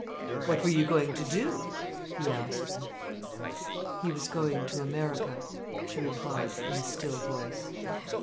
"What were you going to do?" he asked. "He was going to America," she replied, in a still voice.